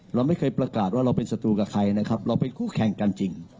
เราไม่เคยประกาศว่าเราเป็นศัตรูกับใครนะครับเราเป็นคู่แข่งกันจริง